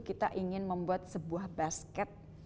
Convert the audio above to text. kita ingin membuat sebuah basket